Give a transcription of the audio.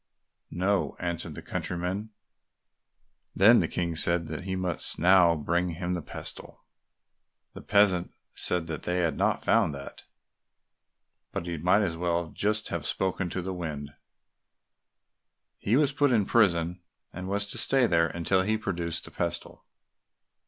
"No," answered the countryman. Then the King said that he must now bring him the pestle. The peasant said they had not found that, but he might just as well have spoken to the wind; he was put in prison, and was to stay there until he produced the pestle.